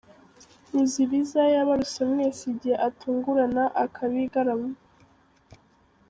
Ruzibiza yabaruse mwese igihe atungurana akabigarama.